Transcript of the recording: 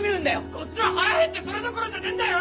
こっちは腹へってそれどころじゃねえんだよ！